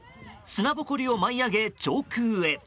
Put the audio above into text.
砂ぼこりを舞い上げ、上空へ。